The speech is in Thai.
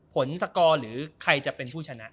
สกอร์หรือใครจะเป็นผู้ชนะ